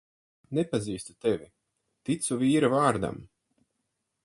Nepazīstu tevi, ticu vīra vārdam.